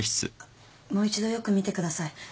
もう一度よく見てください。